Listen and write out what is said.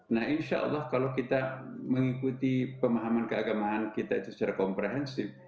nah insya allah kalau kita mengikuti pemahaman keagamaan kita itu secara komprehensif